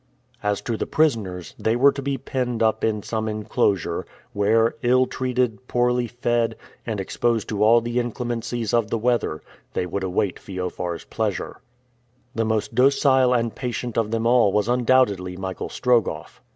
As to the prisoners, they were to be penned up in some enclosure, where, ill treated, poorly fed, and exposed to all the inclemencies of the weather, they would await Feofar's pleasure. The most docile and patient of them all was undoubtedly Michael Strogoff.